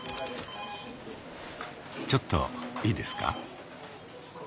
ちょっといいですか？